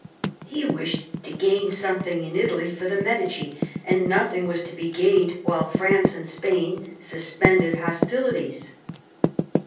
He wished to gain something in Italy for the Medici, and nothing was to be gained while France and Spain suspended hostili ties.